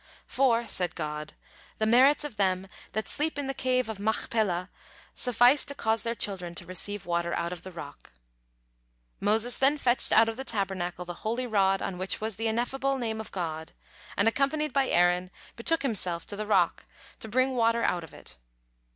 "For," said God, "the merits of them that sleep in the Cave of Machpelah suffice to cause their children to receive water out of the rock." Moses then fetched out of the Tabernacle the holy rod on which was the Ineffable Name of God, and, accompanied by Aaron, betook himself to the rock to bring water out of it.